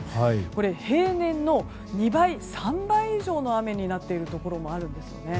これ、平年の２倍３倍以上の雨になっているところもあるんです。